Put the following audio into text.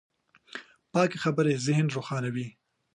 پاکې خبرې ذهن روښانوي.